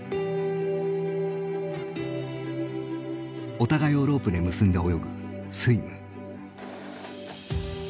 お互いをロープで結んで泳ぐスイム。